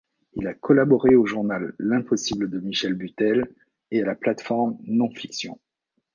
Il a collaboré au journal L'Impossible de Michel Butel, et à la plateforme nonfiction.